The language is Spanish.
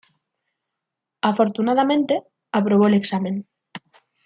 Afortunadamente, aprobó el examen.